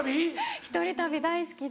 １人旅大好きで。